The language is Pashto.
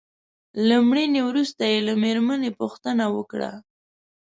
له مړینې وروسته يې له مېرمنې پوښتنه وکړه.